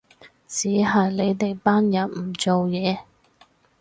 只係你哋班人唔做嘢